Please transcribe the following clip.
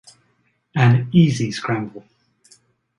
An easy scramble.